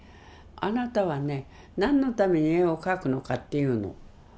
「あなたは何のために絵を描くのか？」って言うの。